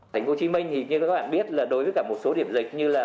tp hcm thì như các bạn biết là đối với cả một số điểm dịch như là